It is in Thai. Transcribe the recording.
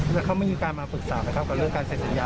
แล้วเขาไม่มีการมาปรึกษาไหมครับกับเรื่องการเสร็จสัญญา